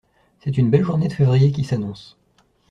C'est une belle journée de février qui s'annonce.